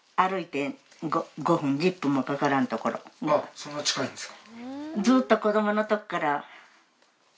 そんな近いんですか。